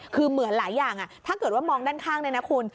คือเหมือนหลายอย่างถ้าเกิดว่ามองด้านข้างเนี่ยนะคุณ